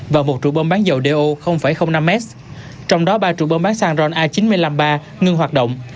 và một trụ bông bán dầu do năm m trong đó ba trụ bông bán xăng ron a chín mươi năm ba ngưng hoạt động